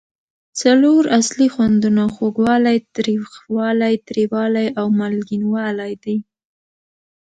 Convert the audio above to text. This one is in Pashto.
څلور اصلي خوندونه خوږوالی، تریخوالی، تریوالی او مالګینو والی دي.